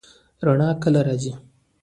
رڼا کله راځي؟